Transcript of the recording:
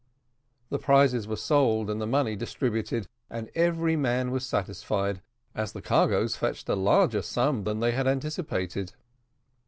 The prizes were sold and the money distributed, and every man was satisfied, as the cargoes fetched a larger sum than they had anticipated.